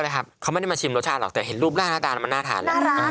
เขาไม่ได้มาชิมรสชาติหรอกแต่เห็นรูปหน้าน่าตามันหน้าทาน